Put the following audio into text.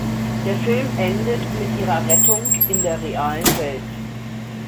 Der Film endet mit ihrer Rettung in der realen Welt.